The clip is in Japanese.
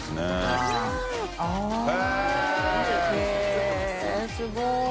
へぇすごい。